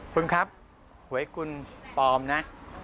คุณครับหวยคุณปลอมนะ